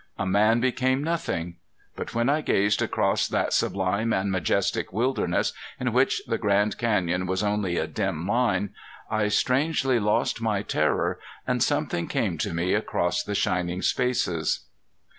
A man became nothing. But when I gazed across that sublime and majestic wilderness, in which the Grand Canyon was only a dim line, I strangely lost my terror and something came to me across the shining spaces.